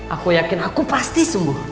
aku yakin aku pasti sembuh